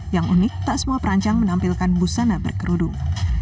yang unik tak semua perancang menampilkan busana berkerudung